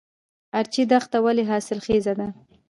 ارچي دښته ولې حاصلخیزه ده؟